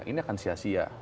ini akan sia sia